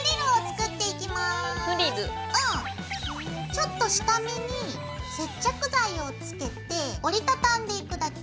ちょっと下めに接着剤をつけて折り畳んでいくだけ。